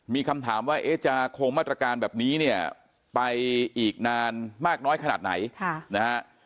มีคำถามว่าจะคงมาตรการแบบนี้เนี่ยไปอีกนานมากน้อยขนาดไหนนะฮะ